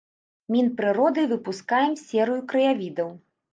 Мінпрыродай выпускаем серыю краявідаў.